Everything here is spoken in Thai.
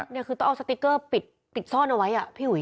นี่คือต้องเอาสติกเกอร์ปิดซ่อนเอาไว้